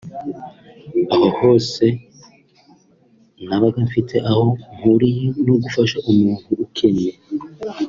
Aho hose nabaga mfite aho mpuriye no gufasha umuntu ukennye